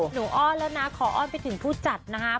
อ้อนแล้วนะขออ้อนไปถึงผู้จัดนะครับ